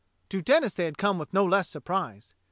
To Denis they had come with no less surprise.